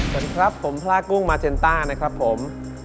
สวัสดีครับผมพลากุ้งมาเจนต้านะครับผม